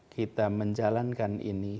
kita menjalankan ini